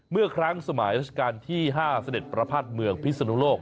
เมื่อครั้งสมัยราชการที่๕เสด็จประภาษณ์เมืองพิศนุโลก